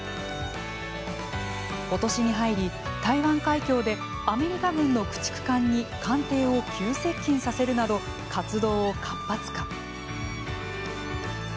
今年に入り、台湾海峡でアメリカ軍の駆逐艦に艦艇を急接近させるなど活動を活発化。